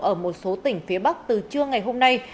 ở một số tỉnh phía bắc từ trưa ngày hôm nay